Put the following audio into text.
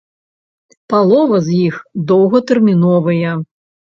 Палова з іх доўгатэрміновыя.